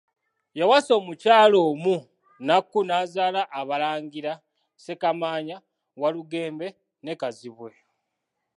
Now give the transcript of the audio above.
Yawasa omukyala omu Nnakku n'azaala abalangira Ssekamaanya, Walugembe ne Kazibwe.